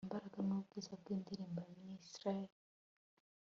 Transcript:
imbaraga nubwiza bwindirimbo ya minstrel